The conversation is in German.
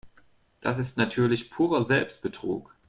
Das ist natürlich purer Selbstbetrug.